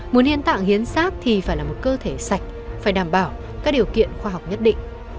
muốn hiến tạng hiến sát thì phải là một cơ thể sạch phải đảm bảo các điều kiện khoa học nhất định